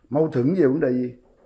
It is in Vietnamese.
mâu thuẫn về vấn đề gì